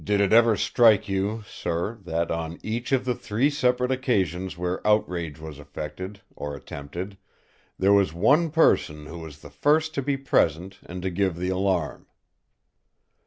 "Did it ever strike you, sir, that on each of the three separate occasions where outrage was effected, or attempted, there was one person who was the first to be present and to give the alarm?"